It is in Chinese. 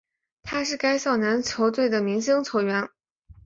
他是该校男篮校队的明星球员。